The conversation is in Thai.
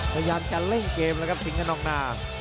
พยายามจะเล่นเกมนะครับสิงขนาวหน้า